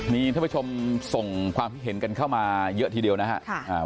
มีท่านผู้ชมส่งความคิดเห็นกันเข้ามาเยอะทีเดียวนะครับ